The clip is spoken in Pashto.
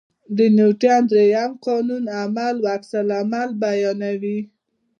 د نیوټن درېیم قانون عمل او عکس العمل بیانوي.